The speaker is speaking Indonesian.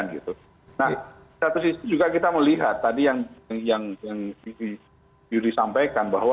nah satu sisi juga kita melihat tadi yang yudi sampaikan bahwa